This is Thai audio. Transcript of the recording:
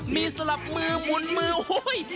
มีสลับมือหมุนมือโอ้โห